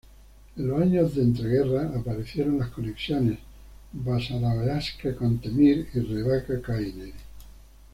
En los años de entreguerras aparecieron las conexiones Basarabeasca-Cantemir y Revaca-Căinari.